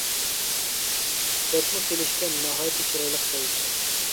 بەكمۇ كېلىشكەن، ناھايىتى چىرايلىق جاي ئىكەن!